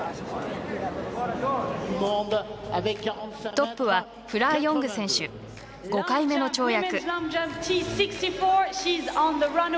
トップはフラー・ヨング選手５回目の跳躍。